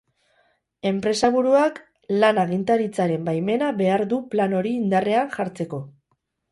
Enpresaburuak lan agintaritzaren baimena behar du plan hori indarrean jartzeko.